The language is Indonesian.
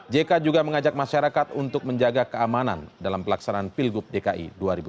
jk juga mengajak masyarakat untuk menjaga keamanan dalam pelaksanaan pilgub dki dua ribu tujuh belas